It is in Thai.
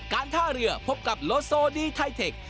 การท่าเรือพบกับโลโซดีไทเทค